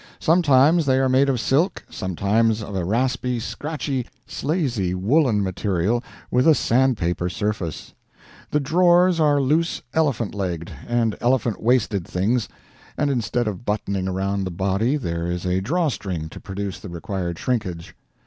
Sometimes they are made of silk, sometimes of a raspy, scratchy, slazy woolen material with a sandpaper surface. The drawers are loose elephant legged and elephant waisted things, and instead of buttoning around the body there is a drawstring to produce the required shrinkage.